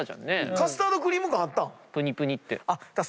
カスタードクリーム感あったん？